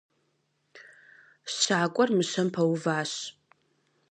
Щакӏуэр мыщэм пэуващ.